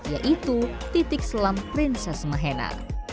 yaitu titik selam prinses mahena